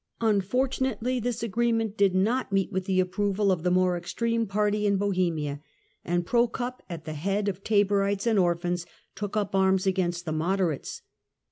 Unfortunately this agree Civii War meiit did not meet with the approval of the more extreme ' party in Bohemia, and Prokop at the head of Taborites and Orphans took up arms against the moderates.